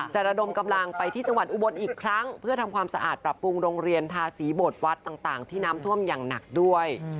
ระดมกำลังไปที่จังหวัดอุบลอีกครั้งเพื่อทำความสะอาดปรับปรุงโรงเรียนทาสีบทวัดต่างที่น้ำท่วมอย่างหนักด้วย